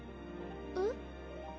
えっ？